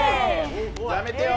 やめてよ。